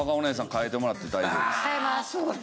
変えてもらって大丈夫です。